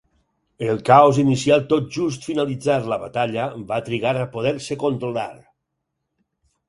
El caos inicial tot just finalitzar la batalla va trigar a poder-se controlar.